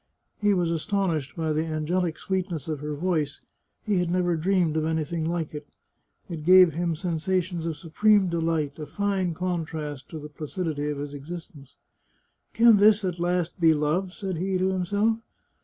He was astonished by the angelic sweetness of her voice ; he had never dreamed of anything like it. It gave him sen sations of supreme delight, a fine contrast to the placidity of his existence. " Can this, at last, be love? " said he to him self.